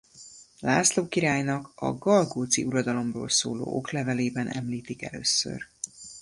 László királynak a galgóci uradalomról szóló oklevelében említik először.